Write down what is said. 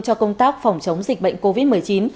cho công tác phòng chống dịch bệnh covid một mươi chín